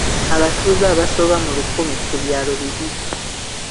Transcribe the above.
Abatuuze abasoba mu lukumi ku byalo bibiri